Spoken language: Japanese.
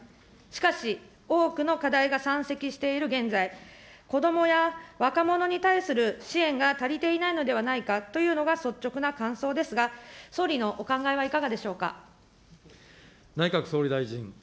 しかし、多くの課題が山積している現在、子どもや若者に対する支援が足りていないのではないかというのが率直な感想ですが、総理のお考えはいかがでしょうか。